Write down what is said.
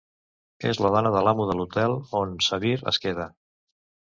És la dona de l'amo de l'hotel on Sabir es queda.